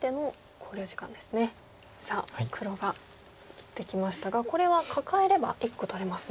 さあ黒が切ってきましたがこれはカカえれば１個取れますね。